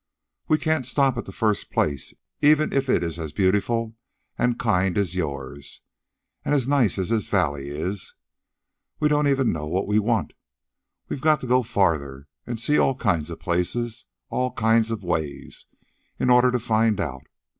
"We can't stop at the first place, even if it is as beautiful and kind as yours and as nice as this valley is. We don't even know what we want. We've got to go farther, and see all kinds of places and all kinds of ways, in order to find out.